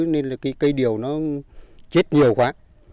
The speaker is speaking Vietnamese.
nên là cái cây điều nó chết nhiều quá